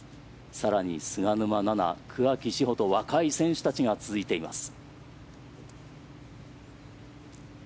更に菅沼菜々、桑木志帆と若い選手たちが続いています。